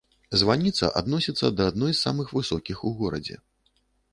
Званіца адносіцца да адной з самых высокіх у горадзе.